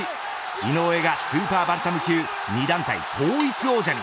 井上がスーパーバンタム級２団体統一王者に。